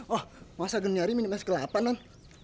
oh masa gen nyari minum es kelapa non